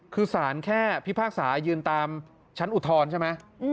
คือสารแค่พิพากษายืนตามชั้นอุทธรณ์ใช่ไหม